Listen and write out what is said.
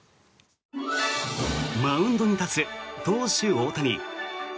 マウンドに立つ投手・大谷。